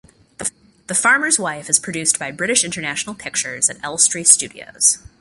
"The Farmer's Wife" is produced by British International Pictures at Elstree studios.